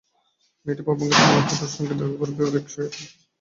মেয়েটির ভাবভঙ্গিতে মনে হয় তাঁর সঙ্গে দেখা করার ব্যাপারে সে এক ধরনের আগ্রহবোধ করছে।